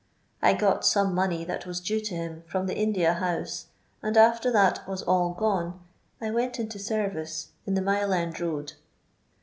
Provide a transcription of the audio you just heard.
I got some money that was duo to him from the India House, and, after that was all gone, I went into service, in the Mile end Boad.